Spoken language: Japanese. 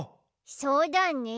そうだね。